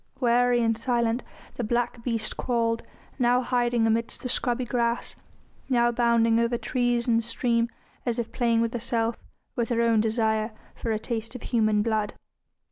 Wary and silent the black beast crawled, now hiding amidst the scrubby grass, now bounding over trees and stream as if playing with herself, with her own desire for a taste of human blood.